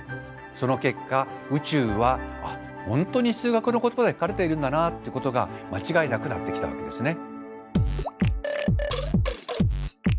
その結果宇宙は本当に数学の言葉で書かれているんだなっていうことが間違いなくなってきたわけですね。